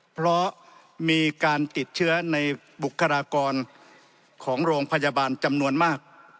เพราะมีการติดเชื้อในบุคลากรของโรงพยาบาลจำนวนมาก